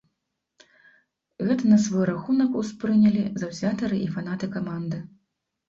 Гэта на свой рахунак успрынялі заўзятары і фанаты каманды.